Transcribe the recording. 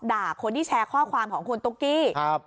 ด่าคนที่แชร์ข้อความของคุณตุ๊กกี้